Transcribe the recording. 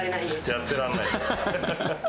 やってらんないよ。